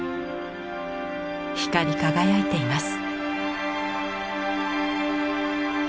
光り輝いています。